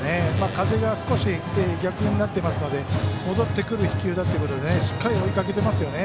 風が少し逆になってますので戻ってくる飛球だということでしっかり追いかけてますよね。